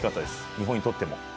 日本にとっても。